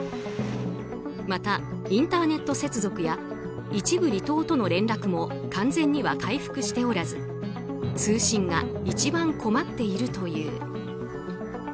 またインターネット接続や一部、離島との連絡も完全には回復しておらず通信が一番困っているという。